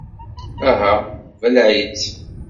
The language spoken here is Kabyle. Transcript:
Aha, belleε-itt!